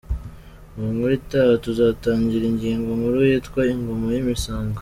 Mu nkuru itaha tuzatangira ingingo nkuru yitwa “Ingoma z’imisango”.